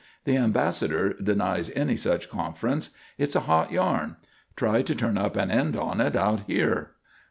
The Ambassador denies any such conference. It's a hot yarn. Try to turn up an end on it out here."